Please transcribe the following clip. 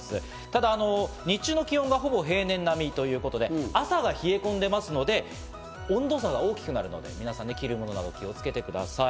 ただ日中の気温がほぼ平年並みということで、朝が冷え込んでますので、温度差が大きくなるので皆さん、着るものなど気をつけてください。